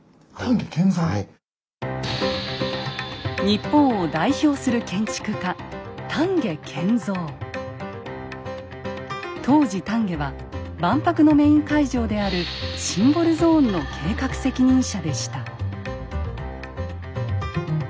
日本を代表する当時丹下は万博のメイン会場であるシンボルゾーンの計画責任者でした。